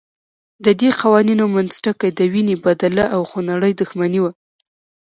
ددې قوانینو منځ ټکی د وینې بدله او خونړۍ دښمني وه.